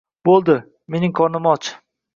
— Bo’ldi, mening qornim och…